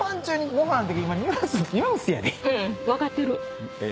うん分かってる。